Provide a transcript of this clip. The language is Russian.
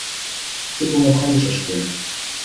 Ты была в хорошей школе.